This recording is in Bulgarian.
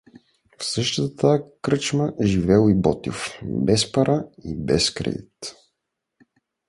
В същата тая кръчма живеел и Ботйов, без пара и без кредит.